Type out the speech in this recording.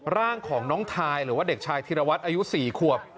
ร่างของน้องทายหรือว่าเด็กชายธิรวัตรอายุ๔ขวบ